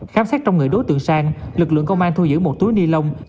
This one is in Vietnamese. khám xét trong người đối tượng sang lực lượng công an thu giữ một túi ni lông